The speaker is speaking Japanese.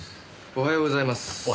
おはようございます。